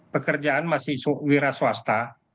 pekerjaan masih wira swasta